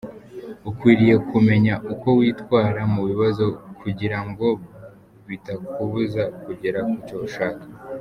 Ukwiriye kumenya uko witwara mu bibazo kugira ngo bitakubuza kugera kucyo ushaka.